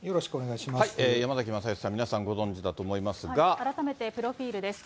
山崎まさよしさん、改めてプロフィールです。